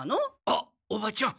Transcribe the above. あっおばちゃん。